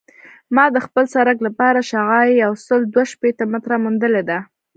ما د خپل سرک لپاره شعاع یوسل دوه شپیته متره موندلې ده